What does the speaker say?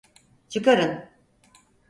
Çıkarın!